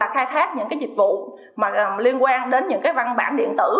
khai thác những dịch vụ liên quan đến những văn bản điện tử